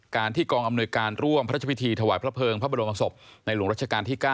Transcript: ที่กองอำนวยการร่วมพระราชพิธีถวายพระเภิงพระบรมศพในหลวงรัชกาลที่๙